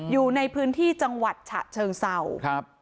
อยู่ในพื้นที่จังหวัดฉะเชิงเศร้าครับ